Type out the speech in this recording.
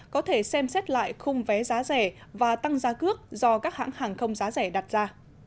có thể xem xét lại khung vé giá rẻ và tăng giá cước do các hãng hàng không giá rẻ đặt ra